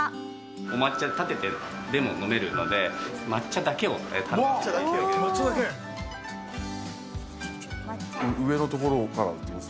お抹茶をたててでも飲めるので、抹茶だけを堪能していただければなと思います。